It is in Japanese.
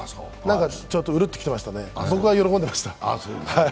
ちょっとウルッときてましたね、僕は喜んでました。